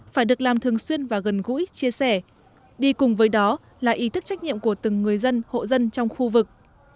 phải được làm thường xuyên và gần gũi chia sẻ đi cùng với đó là ý thức trách nhiệm của từng người dân hộ dân trong khu vực